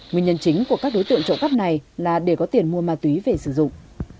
nguyên nhân chính của các đối tượng trộm cắp này là để có tiền mua ma túy về sử dụng